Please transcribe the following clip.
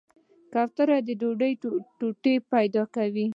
کوتره د ډوډۍ ټوټه پیدا کوي.